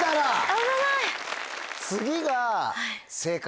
危ない！